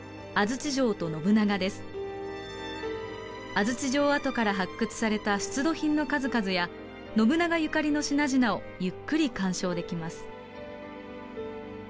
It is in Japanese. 安土城跡から発掘された出土品の数々や信長ゆかりの品々をゆっくり鑑賞できます。